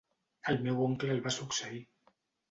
El seu oncle el va succeir.